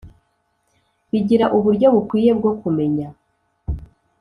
bigira uburyo bukwiye bwo kumenya